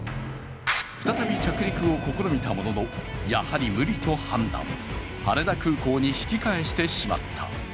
再び着陸を試みたもののやはり無理と判断、羽田空港に引き返してしまった。